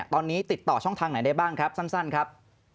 ตอนนี้ติดต่อช่องทางไหนได้บ้างครับสั้นครับ